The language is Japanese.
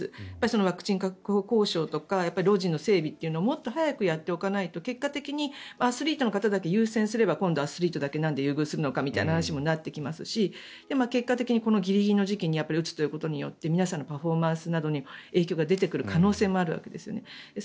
ワクチン確保交渉とかロジの整備をもっと早くやっておかないと結果的にアスリートの方だけ優先すればなんでアスリートを優先するんだみたいな話になってきますし結果的に、このギリギリの時期に打つということによって皆さんのパフォーマンスなどに影響が出てくる可能性もあるわけですよね。